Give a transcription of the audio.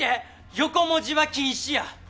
横文字は禁止や！